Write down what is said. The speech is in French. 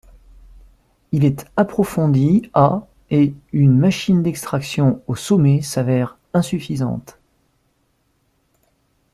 Il est approfondi à et une machine d’extraction au sommet s'avère insuffisante.